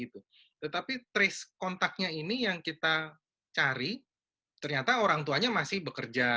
tetapi trace contactnya ini yang kita cari ternyata orang tuanya masih bekerja